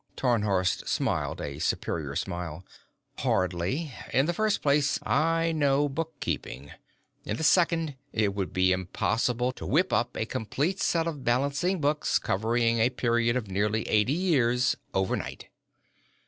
Tarnhorst smiled a superior smile. "Hardly. In the first place, I know bookkeeping. In the second, it would be impossible to whip up a complete set of balancing books covering a period of nearly eighty years overnight.